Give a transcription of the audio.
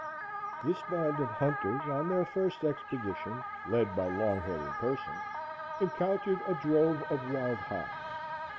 This band of hunters, on their first expedition, led by Longhead in person, encountered a drove of wild hogs.